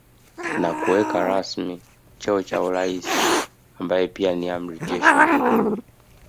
Na kuweka rasmi cheo cha uraisi ambaye pia ni amiri jeshi mkuu